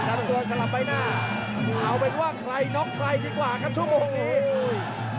ตัวสลับใบหน้าเอาเป็นว่าใครน็อกใครดีกว่าครับชั่วโมงนี้อุ้ย